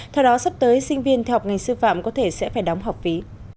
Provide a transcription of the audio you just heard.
theo đó sắp tới sinh viên theo học ngành sư phạm có thể sẽ phải đóng học phí